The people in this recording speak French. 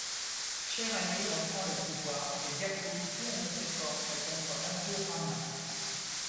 Sher Ali reprend le pouvoir et Ya'qûb tourne ses forces contre Abdur Rahman.